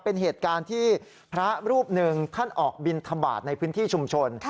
เป็นเหตุการณ์ที่พระรูปหนึ่งท่านออกบินทบาทในพื้นที่ชุมชน